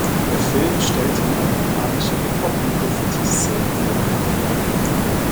Der Film stellte die amerikanische Hip-Hop- und Graffiti-Szene vor.